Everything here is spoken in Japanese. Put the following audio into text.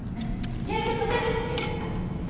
美晴ちゃんまたね。